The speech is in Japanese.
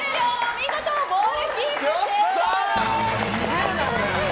見事ボールキープ成功！